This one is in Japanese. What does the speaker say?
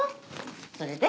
それで？